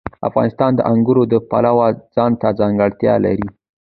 افغانستان د انګور د پلوه ځانته ځانګړتیا لري.